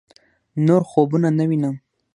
نور خوبونه نه وينم